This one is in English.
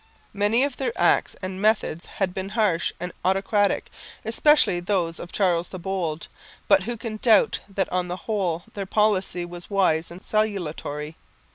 Many of their acts and methods had been harsh and autocratic, especially those of Charles the Bold, but who can doubt that on the whole their policy was wise and salutary?